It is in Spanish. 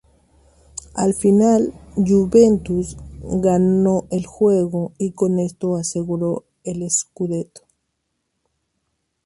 Al final Juventus ganó el juego y con esto aseguro el scudetto.